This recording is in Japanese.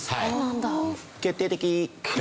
決定的！